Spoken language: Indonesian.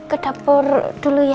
ke dapur dulu ya